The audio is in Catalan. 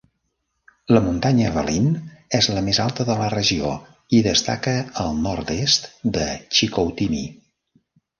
La muntanya Valin és la més alta de la regió i destaca al nord-est de Chicoutimi.